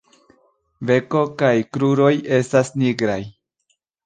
Beko kaj kruroj estas nigraj.